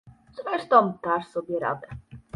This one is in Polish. "Zresztą, dasz sobie radę."